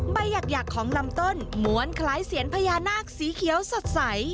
ใบหยากของลำต้นม้วนคล้ายเสียนพญานาคสีเขียวสดใส